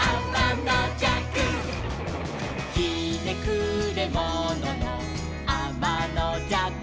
「ひねくれもののあまのじゃく」